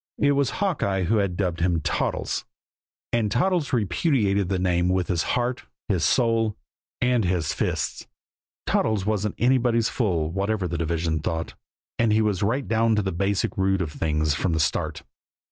It was Hawkeye who had dubbed him "Toddles." And Toddles repudiated the name with his heart, his soul and his fists. Toddles wasn't anybody's fool, whatever the division thought, and he was right down to the basic root of things from the start.